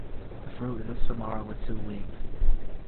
The fruit is a samara with two wings.